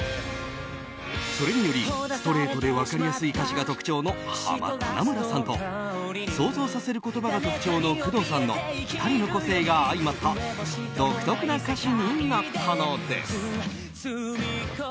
それにより、ストレートで分かりやすい歌詞が特徴の花村さんと想像させる言葉が特徴の工藤さんの２人の個性があいまった独特な歌詞になったのです。